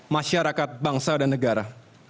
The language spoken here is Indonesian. masyarakat bangsa dan negara